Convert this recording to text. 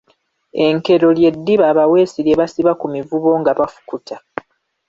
Enkero ly’eddiba abaweesi lye basiba ku mivubo nga bafukuta.